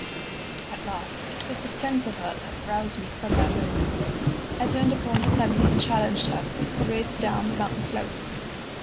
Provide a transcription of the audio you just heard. "At last it was the sense of her that roused me from my mood. I turned upon her suddenly and challenged her to race down the mountain slopes.